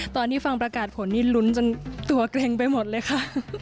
ตอนนี้ฟังประกาศผลนี่ลุ้นจนตัวเกร็งไปหมดเลยค่ะ